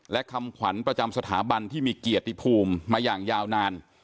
และคำขวัญประจำสถาบันที่มีเกียรติภูมิมาอย่างยาวนาน